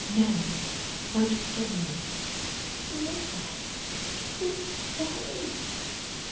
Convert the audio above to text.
'No. Most solemnly.' 'Never to the Parish!